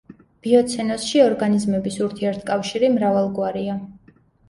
ბიოცენოზში ორგანიზმების ურთიერთკავშირი მრავალგვარია.